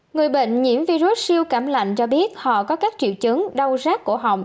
người bệnh nhiễm virus siêu cảm lạnh cho biết họ có các triệu chứng đau rác cổ họng